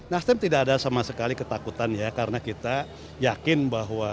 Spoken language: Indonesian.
nasdem tidak ada sama sekali ketakutan ya karena kita yakin bahwa